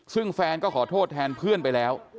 ซึ่งแฟนก็ขอโทษแทนเพื่อนไปแล้ว